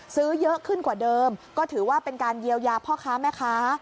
ซื้อเยอะขึ้นกว่าเดิมก็ถือว่าเป็นการเยียวยาพ่อค้าแม่ค้า